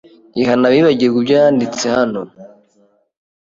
Ihana abibagirwa ibyo yanditse hano